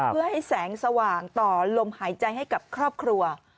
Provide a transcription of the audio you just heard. เพื่อให้แสงสว่างต่อลมหายใจให้กับครอบครัว